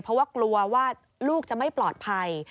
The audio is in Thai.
เพราะว่ากลัวว่าลูกจะไม่ปลอดภัย